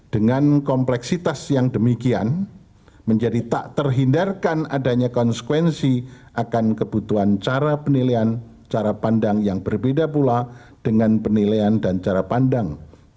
dengan kompleksitas yang demikian menjadi tak terhindarkan adanya konsekuensi akan kebutuhan cara penilaian cara pandang yang berbeda pula dengan penilaian dan cara pandang